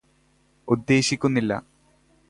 ഉദ്ദേശിക്കുന്നില്ല